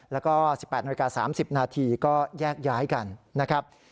แล้วก็๑๘น๓๐นก็แยกย้ายกันนะครับ